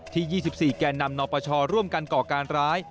๒๔แก่นำนปชร่วมกันก่อการร้าย